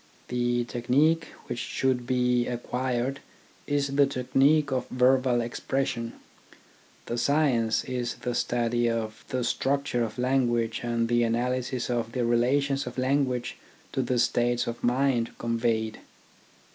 The technique which should be acquired is the technique of verbal expression, the science is the study of the struc ture of language and the analysis of the relations of language to the states of mind conveyed.